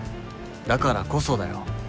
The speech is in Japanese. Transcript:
だからこそだよ。